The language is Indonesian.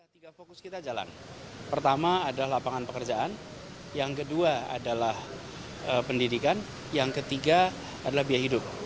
tiga fokus kita jalan pertama adalah lapangan pekerjaan yang kedua adalah pendidikan yang ketiga adalah biaya hidup